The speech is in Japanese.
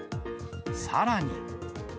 さらに。